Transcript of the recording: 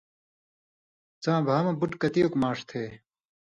څاں بھا مہ بُٹ کتِیُوک مانݜ تھے؟